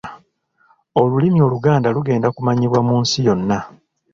Olulimi Oluganda lugenda kumanyibwa mu nsi yonna.